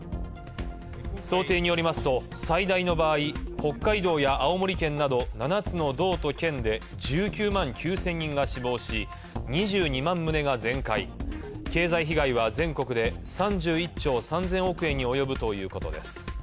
想定によりますと最大の場合、北海道や青森県など７つの道と県で１９万９０００人が死亡し、２２万棟が全壊、経済被害は全国で３１兆３０００億円におよぶということです。